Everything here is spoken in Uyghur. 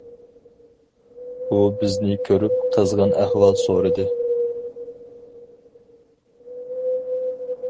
ئۇ بىزنى كۆرۈپ، قىزغىن ئەھۋال سورىدى.